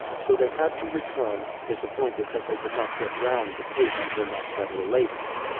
So they had to return, dis appointed that they could not get round the Cape and were not better laden.